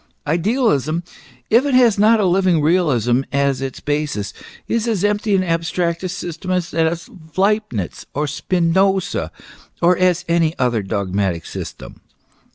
Idealism, if it has not a living realism as its basis, is as empty and abstract a system as that of Leibnitz or Spinoza, or as any other dogmatic system."